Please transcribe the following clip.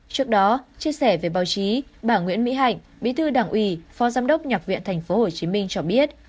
trước đó chia sẻ về báo chí bà nguyễn mỹ hạnh bí thư đảng ủy phó giám đốc nhạc viện tp hcm cho biết